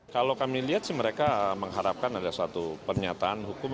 kalau kami lihat sih mereka mengharapkan ada satu pernyataan hukum